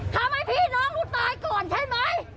ทำให้พี่น้องหนูตายก่อนใช่ไหม